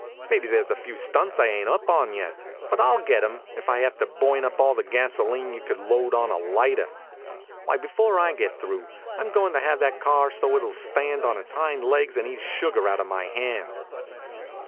Maybe there s a few stunts I ain t up on yet; but I ll get em, if I have to burn up all the gasolene you could load on a lighter! Why, before I get through, I m going to have that car so it ll stand on its hind legs and eat sugar out of my hand!